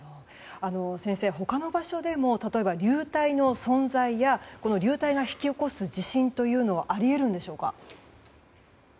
先生、他の場所でも例えば、流体の存在やこの流体が引き起こす地震というのはあり得るのでしょうか。